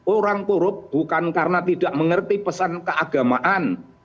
orang korup bukan karena tidak mengerti pesan keagamaan